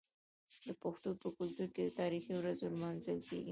د پښتنو په کلتور کې د تاریخي ورځو لمانځل کیږي.